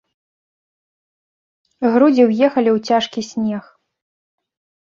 Грудзі ўехалі ў цяжкі снег.